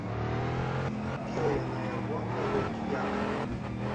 Біла яна яго на горкі яблык.